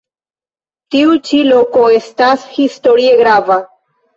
Tiu ĉi loko estas historie grava.